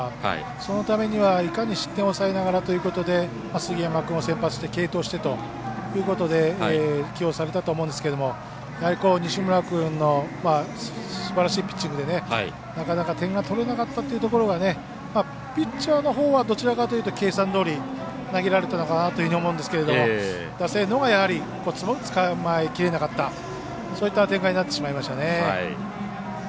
そのためにはいかに失点を抑えながらということで杉山君を先発して継投してということで起用されたと思うんですけど西村君のすばらしいピッチングでなかなか点が取れなかったっていうところがピッチャーのほうはどちらかというと計算どおり投げられたのかなというふうに思うんですけども打線のほうがちょっとつかまえきれなかったそういった展開になってしまいましたね。